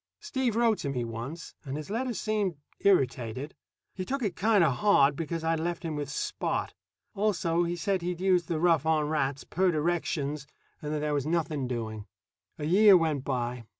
Steve wrote to me once, and his letter seemed irritated. He took it kind of hard because I'd left him with Spot. Also, he said he'd used the "rough on rats," per directions, and that there was nothing doing. A year went by.